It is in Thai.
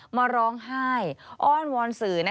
มาร้องไห้อ้อนวอนสื่อ